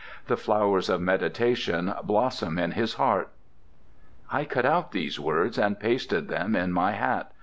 The flowers of meditation blossom in his heart." I cut out these words and pasted them in my hat.